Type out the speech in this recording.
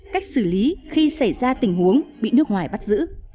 cách xử lý khi xảy ra tình huống bị nước ngoài bắt giữ